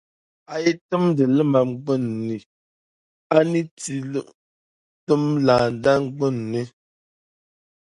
A yi timdi limam gbin’ ni a ni ti tim landana gbin’ ni.